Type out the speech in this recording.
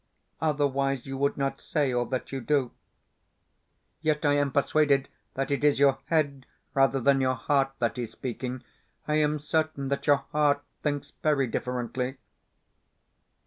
Otherwise you would not say all that you do. Yet I am persuaded that it is your head rather than your heart that is speaking. I am certain that your heart thinks very differently.